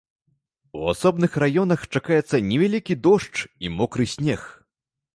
У асобных раёнах чакаецца невялікі дождж і мокры снег.